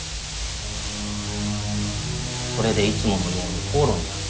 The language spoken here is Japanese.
それでいつものように口論になった。